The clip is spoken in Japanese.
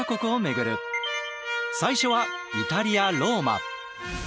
最初はイタリア・ローマ。